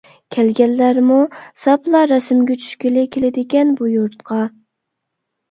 كەلگەنلەرمۇ ساپلا رەسىمگە چۈشكىلى كېلىدىكەن بۇ يۇرتقا.